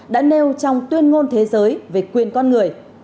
đã nêu trong tuyên ngôn thế giới về quyền con người